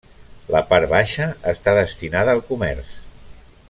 La part baixa està destinada al comerç.